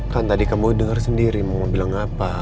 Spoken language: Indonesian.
kan tadi kamu dengar sendiri mau bilang apa